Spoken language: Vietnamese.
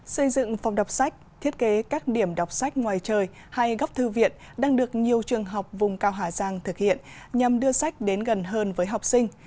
xây dựng phòng đọc sách thiết kế các điểm đọc sách ngoài trời hay góc thư viện đang được nhiều trường học vùng cao hà giang thực hiện nhằm đưa sách đến gần hơn với học sinh